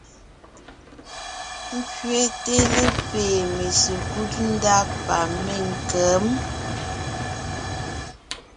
Kẅéte lépée mésekúd ndá pa ménkěm.